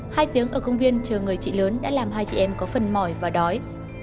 hai tiếng ở công viên chờ người chị lớn đã làm hai chị em có phân mỏi và đói